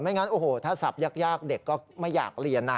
งั้นโอ้โหถ้าสับยากเด็กก็ไม่อยากเรียนนะ